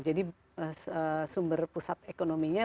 jadi sumber pusat ekonominya